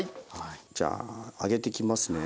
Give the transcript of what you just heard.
じゃあ揚げていきますね。